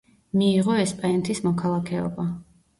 მიიღო ესპანეთის მოქალაქეობა.